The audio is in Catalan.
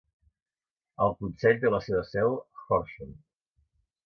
El consell té la seva seu a Horsham.